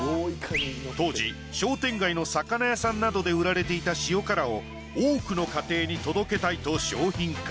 当時商店街の魚屋さんなどで売られていた塩辛を多くの家庭に届けたいと商品化。